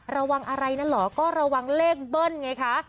ระวังอะไรนั้นเหรอก็ระวังเลขเบิ้ลไงคะ